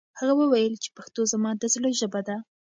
هغه وویل چې پښتو زما د زړه ژبه ده.